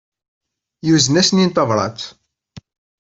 Yuzen-asen-in tabrat.